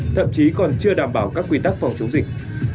thậm chí còn chưa đảm bảo các quy tắc phòng chống dịch